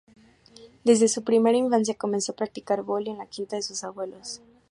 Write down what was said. Desde su primera infancia comenzó a practicar volley en la quinta de sus abuelos.